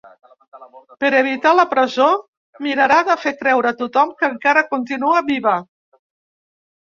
Per evitar la presó, mirarà de fer creure a tothom que encara continua viva.